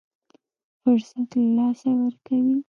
فرصت له لاسه ورکوي.